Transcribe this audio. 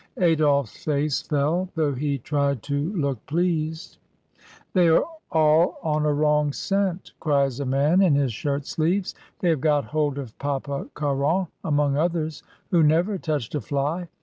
Adolphe's face fell, though he tried to look pleased. "They are all on a wrong scent," cries a man in his shirt sleeves. "They have got hold of Papa Caron among others who never touched a fly.